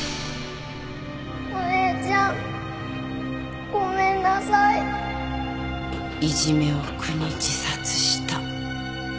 お姉ちゃんごめんなさいいじめを苦に自殺した。